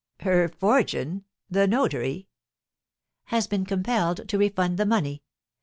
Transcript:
"Her fortune! The notary " "Has been compelled to refund the money.